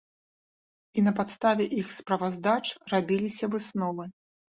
І на падставе іх справаздач рабіліся высновы.